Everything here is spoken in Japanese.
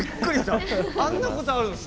あんなことあるんですね。